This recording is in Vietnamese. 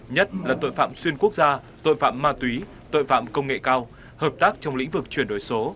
nhất là tội phạm xuyên quốc gia tội phạm ma túy tội phạm công nghệ cao hợp tác trong lĩnh vực chuyển đổi số